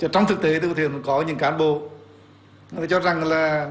trong thực tế thì có những cán bộ cho rằng là